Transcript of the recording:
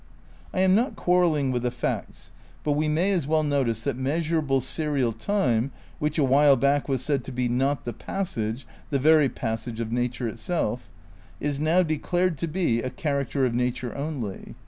I am not quarrelling with the facts, but we may as well notice that measurable serial time, which a while back was said to be "not the passage, the very pass age of nature itself," is now declared to be "a char acter of nature only.